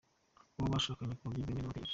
Uwo bashakanye ku buryo bwemewe n’amategeko,.